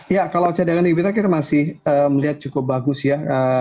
ya kalau cadangan di kita kita masih melihat cukup bagus ya